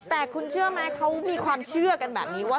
แต่คุณเชื่อไหมเขามีความเชื่อกันแบบนี้ว่า